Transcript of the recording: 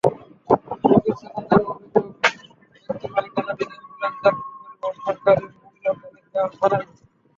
রোগীর স্বজনদের অভিযোগ, ব্যক্তিমালিকানাধীন অ্যাম্বুলেন্সগুলো যাত্রী পরিবহনে সরকারি মূল্যতালিকা মানে না।